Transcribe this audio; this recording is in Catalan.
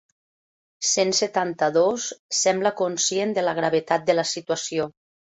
Cent setanta-dos sembla conscient de la gravetat de la situació.